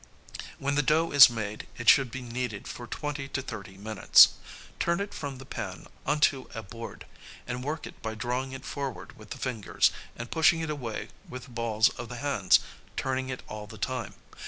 ] When the dough is made, it should be kneaded for twenty to thirty minutes. Turn it from the pan onto a board, and work it by drawing it forward with the fingers and pushing it away with the balls of the hands, turning it all the time.